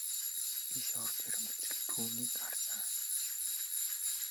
Ийшээ орж ирмэгц л түүнийг харсан.